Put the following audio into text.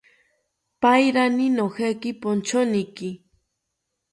Paerani nojeki ponchoniki